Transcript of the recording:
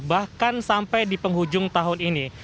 bahkan sampai di penghujung tahun ini